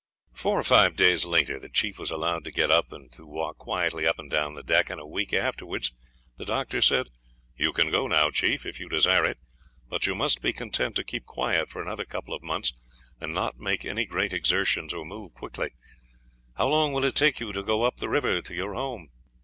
Four or five days later the chief was allowed to get up and to walk quietly up and down the deck, and a week afterwards the doctor said, "You can go now, chief, if you desire it; but you must be content to keep quiet for another couple of months, and not make any great exertions or move quickly. How long will it take you to go up the river to your home?"